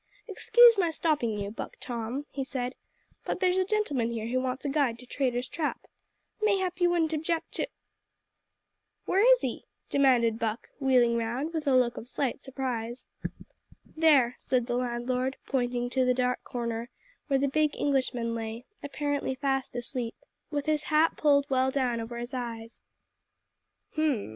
"Excuse my stopping you, Buck Tom," he said, "but there's a gentleman here who wants a guide to Traitor's Trap. Mayhap you wouldn't object to " "Where is he?" demanded Buck, wheeling round, with a look of slight surprise. "There," said the landlord, pointing to the dark corner where the big Englishman lay, apparently fast asleep, with his hat pulled well down over his eyes. Buck Tom looked at the sleeping figure for a few moments.